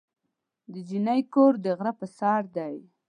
د جینۍ کور د غره په سر دی.